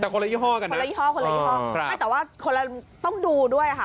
แต่คนละยี่ห้อกันคนละยี่ห้อคนละยี่ห้อครับไม่แต่ว่าคนละต้องดูด้วยค่ะ